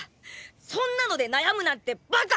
そんなので悩むなんてバカ！